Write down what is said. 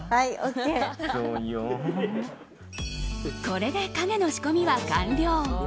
これで影の仕込みは完了。